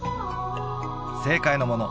正解のもの